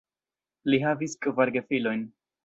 Li havis kvar gefilojn.